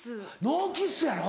ノーキスやろ？